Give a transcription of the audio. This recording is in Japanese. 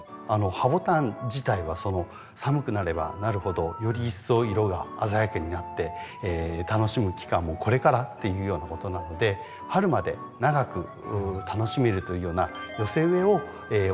ハボタン自体は寒くなればなるほどより一層色が鮮やかになって楽しむ期間もこれからっていうようなことなので春まで長く楽しめるというような寄せ植えをおすすめしたいと思います。